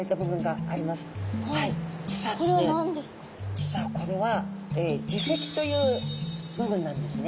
実はこれは耳石という部分なんですね。